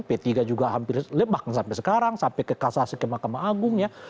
p tiga juga hampir lebak sampai sekarang sampai ke kasasi ke mahkamah agung ya